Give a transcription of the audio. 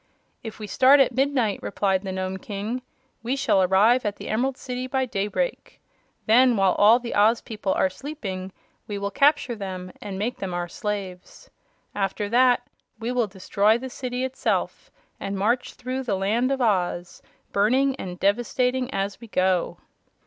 "If we start at midnight," replied the Nome King, "we shall arrive at the Emerald City by daybreak. Then, while all the Oz people are sleeping, we will capture them and make them our slaves. After that we will destroy the city itself and march through the Land of Oz, burning and devastating as we go."